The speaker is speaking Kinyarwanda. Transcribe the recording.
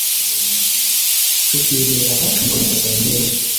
tukibera abacunguwe na nyagasani yezu